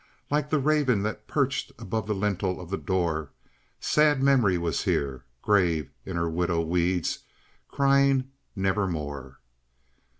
Like the raven that perched above the lintel of the door, sad memory was here, grave in her widow weeds, crying "never more."